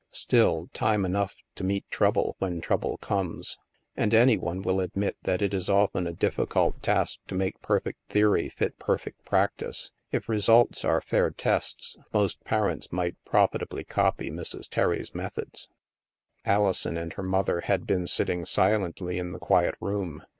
Still, time enough to meet trouble when trouble comes. And any one will admit that it is often a difficult task to make perfect theory fit perfect practice. If results are fair tests, most parents might profitably copy Mrs. Terry's methods. Alison and her mother had been sitting silently in the quiet room.